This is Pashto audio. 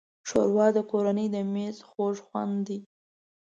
ښوروا د کورنۍ د مېز خوږ خوند دی.